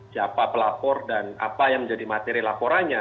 siapa pelapor dan apa yang menjadi materi laporannya